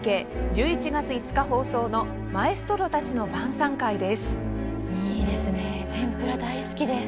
１１月５日放送の「マエストロたちの晩餐会」です。